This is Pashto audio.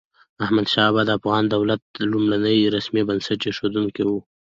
احمد شاه بابا د افغان دولت لومړنی رسمي بنسټ اېښودونکی و.